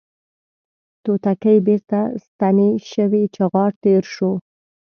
توتکۍ بیرته ستنې شوې چغار تیر شو